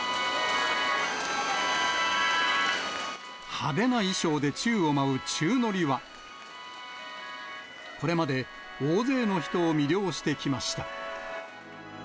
派手な衣装で宙を舞う宙乗りは、これまで、大勢の人を魅了してきました。